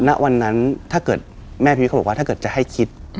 ณวันนั้นแม่พิวิตเขาบอกว่าถ้าเกิดจะให้คิด